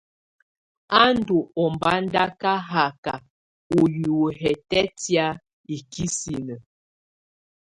Á ndù ɔmbadaka haka ù hiwǝ hɛtɛtɛ̀á ikisinǝ.